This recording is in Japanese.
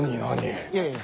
いやいや。